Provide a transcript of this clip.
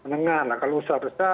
menengah kalau usaha besar